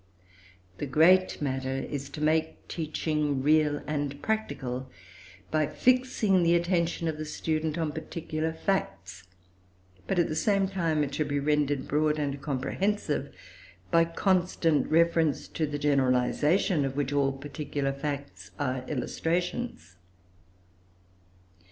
The great matter is, to make teaching real and practical, by fixing the attention of the student on particular facts; but at the same time it should be rendered broad and comprehensive, by constant reference to the generalisations of which all particular facts are illustrations.